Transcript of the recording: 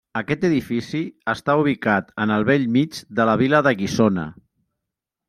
Aquest edifici està ubicat en el bell mig de la vila de Guissona.